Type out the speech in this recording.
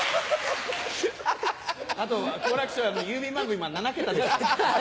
あと好楽師匠郵便番号今７桁ですから。